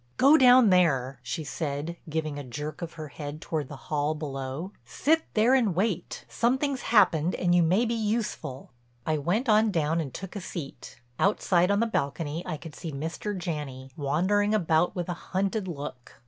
"Go down there," she said, giving a jerk of her head toward the hall below. "Sit there and wait. Something's happened and you may be useful." I went on down and took a seat. Outside on the balcony I could see Mr. Janney, wandering about with a hunted look.